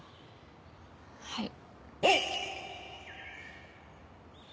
はい。